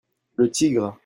Le tigre.